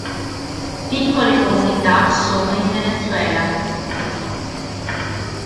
Piccole comunità sono in Venezuela.